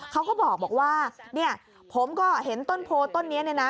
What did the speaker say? เขาก็บอกว่าเนี่ยผมก็เห็นต้นโพต้นนี้เนี่ยนะ